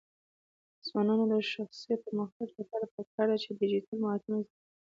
د ځوانانو د شخصي پرمختګ لپاره پکار ده چې ډیجیټل مهارتونه زده کړي.